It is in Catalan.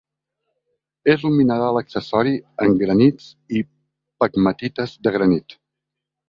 És un mineral accessori en granits i pegmatites de granit.